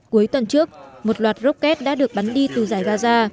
cuối tuần trước một loạt rocket đã được bắn đi từ giải gaza